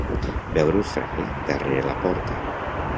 Veure el frare darrere la porta.